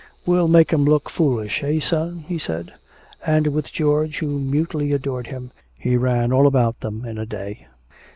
"We'll make 'em look foolish. Eh, son?" he said. And with George, who mutely adored him, he ran all about them in a day.